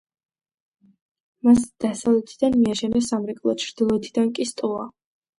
მას დასავლეთიდან მიაშენეს სამრეკლო, ჩრდილოეთიდან კი სტოა.